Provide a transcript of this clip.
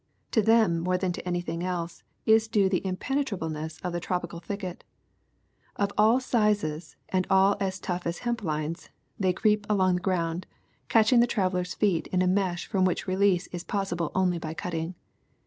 To them more than to anything else is due the impenetrableness of the tropical thicket. Of all sizes and all as tough as hemp lines, they creep along the ground, catching the traveler's feet in a mesh from which release is possible only by cutting.